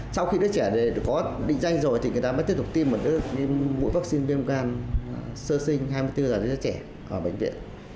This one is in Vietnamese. sau khi đứa trẻ có định danh rồi thì người ta mới tiếp tục tiêm một cái mũi vắc xin viêm can sơ sinh hai mươi bốn h cho trẻ ở bệnh viện